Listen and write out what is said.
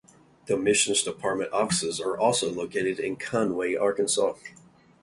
The missions department offices are also located in Conway, Arkansas.